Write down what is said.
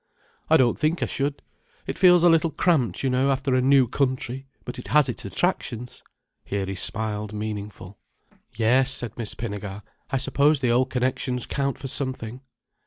"I don't think I should. It feels a little cramped, you know, after a new country. But it has its attractions." Here he smiled meaningful. "Yes," said Miss Pinnegar. "I suppose the old connections count for something."